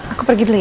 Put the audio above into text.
aku pergi dulu ya